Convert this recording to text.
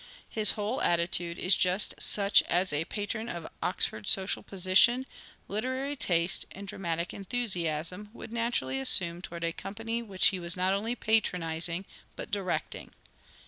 His whole attitude is just such as a patron of Oxford's social position, literary taste, and dramatic enthusaism, would naturally assume towards a company which he was not only patronising but directing.